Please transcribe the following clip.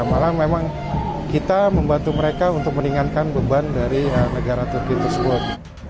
malah memang kita membantu mereka untuk meringankan beban dari negara turki tersebut